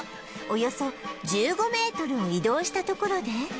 およそ１５メートルを移動したところで